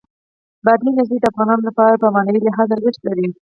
بادي انرژي د افغانانو لپاره په معنوي لحاظ ارزښت لري.